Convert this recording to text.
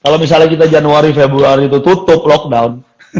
kalau misalnya kita januari februari itu tutup lockdown